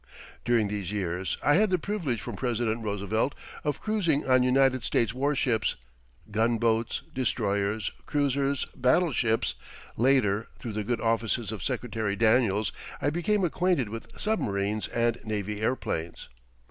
During these years I had the privilege from President Roosevelt of cruising on United States war ships gun boats, destroyers, cruisers, battleships (later, through the good offices of Secretary Daniels, I became acquainted with submarines and navy airplanes).